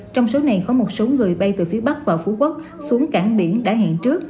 trong số này có một số người bay từ phía bắc vào phú quốc xuống cảng biển đã hẹn trước